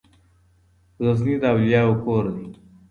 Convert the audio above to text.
غزني د اولياوو کور دی.